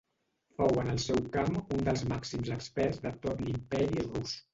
Fou en el seu camp un dels màxims experts de tot l'Imperi Rus.